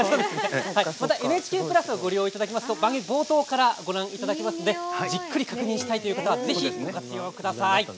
またＮＨＫプラスをご利用いただきますと番組冒頭からご覧いただけますのでじっくり確認したいという方はぜひご活用ください。